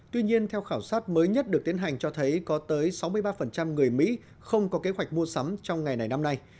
tuy nhiên theo khảo sát mới nhất được tiến hành cho thấy có tới sáu mươi ba người mỹ không có kế hoạch mua sắm trong ngày này năm nay